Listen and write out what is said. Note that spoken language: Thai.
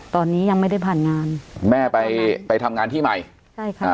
ตอนนี้ยังไม่ได้ผ่านงานแม่ไปไปทำงานที่ใหม่ใช่ค่ะ